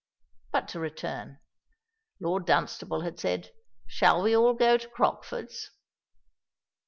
But to return. Lord Dunstable had said, "Shall we all go to Crockford's?"